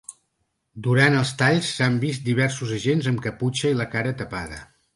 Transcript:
Durant els talls, s’han vist diversos agents amb caputxa i la cara tapada.